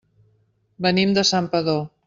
Venim de Santpedor.